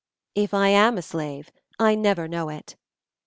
If I am a slave, I never know it.